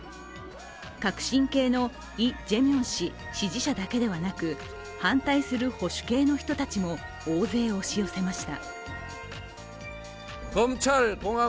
革新系のイ・ジェミョン氏支持者だけでなく、反対する保守系の人たちも大勢押し寄せました。